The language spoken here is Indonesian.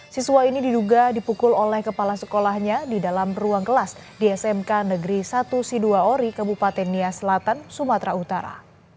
siswa ini diduga dipukul oleh kepala sekolahnya di dalam ruang kelas di smk negeri satu si dua ori kabupaten nia selatan sumatera utara